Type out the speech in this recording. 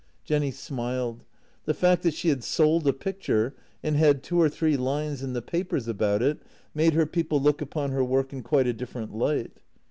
Jenny smiled. The fact that she had sold a picture and had two or three lines in the papers about it made her people look upon her work in quite a different light.